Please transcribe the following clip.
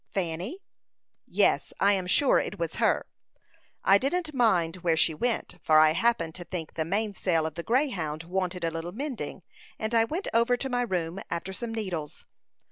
"Fanny?" "Yes; I am sure it was her. I didn't mind where she went, for I happened to think the mainsail of the Greyhound wanted a little mending, and I went over to my room after some needles.